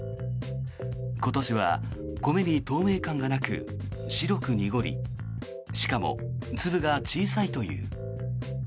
今年は米に透明感がなく、白く濁りしかも、粒が小さいという。